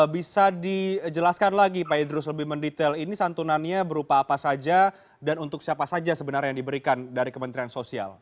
bisa dijelaskan lagi pak idrus lebih mendetail ini santunannya berupa apa saja dan untuk siapa saja sebenarnya yang diberikan dari kementerian sosial